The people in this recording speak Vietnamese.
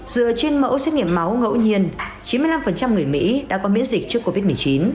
dựa trên mẫu xét nghiệm máu ngẫu nhiên chín mươi năm người mỹ đã có miễn dịch trước covid một mươi chín